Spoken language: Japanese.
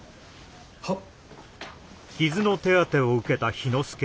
はっ。